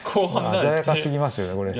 鮮やかすぎますよねこれ。